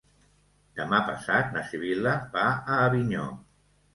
Demà passat na Sibil·la va a Avinyó.